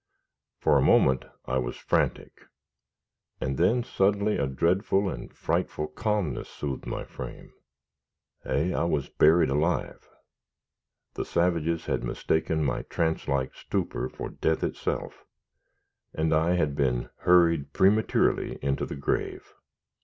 For a moment I was frantic, and then suddenly a dreadful and frightful calmness soothed my frame. Ay, I was buried alive! The savages had mistaken my trance like stupor for death itself, and I had been hurried prematurely into the grave.